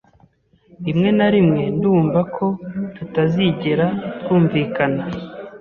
Rimwe na rimwe ndumva ko tutazigera twumvikana.